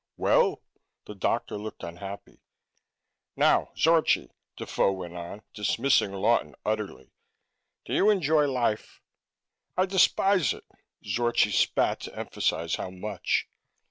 "Well " The doctor looked unhappy. "Now, Zorchi," Defoe went on, dismissing Lawton utterly, "do you enjoy life?" "I despise it!" Zorchi spat to emphasize how much.